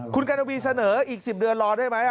คุณกัณวีเสนออีก๑๐เดือนรอได้ไหม